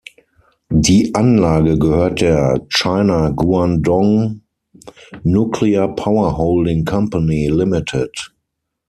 Die Anlage gehört der China Guangdong Nuclear Power Holding Company, Ltd.